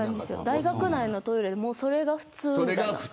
大学内のトイレでそれが普通みたいな。